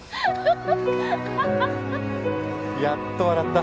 やっと笑った。